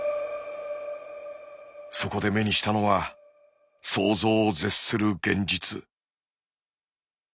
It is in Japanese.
そこで目にしたのは想像を絶する現実。